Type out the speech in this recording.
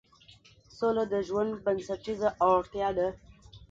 سوله د ژوند بنسټیزه اړتیا ده